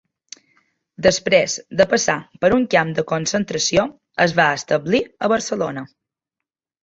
Després de passar per un camp de concentració es va establir a Barcelona.